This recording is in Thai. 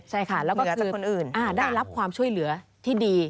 ใช่ค่ะแล้วก็คือคนอื่นได้รับความช่วยเหลือที่ดี